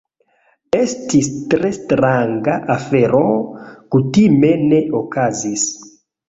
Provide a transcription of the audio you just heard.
Estis tre stranga afero... kutime ne okazis.